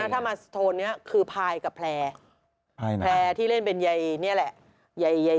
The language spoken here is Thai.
อายกับพริมถ้าม้าโทนนี้คือพายกับแพรร์ที่เล่นเป็นใยนี่แหละ